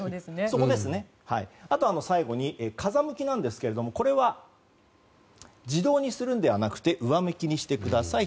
あとは最後に、風向きですがこれは自動にするのではなく上向きにしてください。